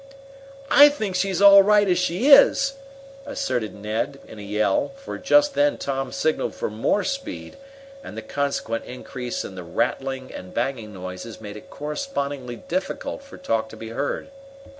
"I think she's all right as she is!" asserted Ned in a yell, for just then Tom signaled for more speed, and the consequent increase in the rattling and banging noises made it correspondingly difficult for talk to be heard.